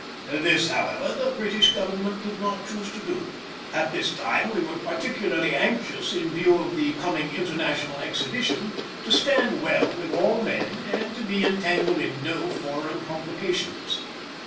This, however, the British Government did not choose to do. At this time we were particularly anxious, in view of the coming International Exhibition, to stand well with all men and to be entangled in no foreign complications.